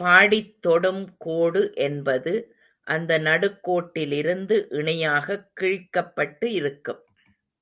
பாடித்தொடும் கோடு என்பது அந்த நடுக்கோட்டிலிருந்து இணையாகக் கிழிக்கப்பட்டு இருக்கும்.